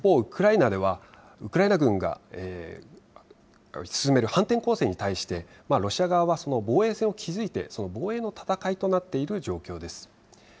また一方、ウクライナでは、ウクライナ軍が進める反転攻勢に対して、ロシア側は防衛線を築いて、防衛の戦いとなっている状況です。